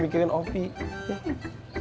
barang kan sama dia